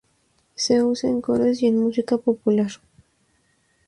Se usa en coros y en música popular.